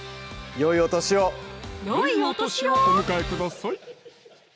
よいお年をお迎えください